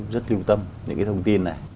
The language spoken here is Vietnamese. rất lưu tâm những cái thông tin này